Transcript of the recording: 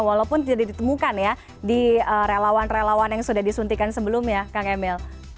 walaupun tidak ditemukan ya di relawan relawan yang sudah disuntikan sebelumnya kang emil